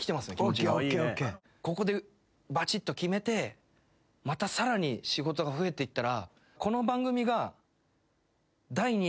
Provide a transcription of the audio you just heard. ここでばちっと決めてまたさらに仕事が増えていったら。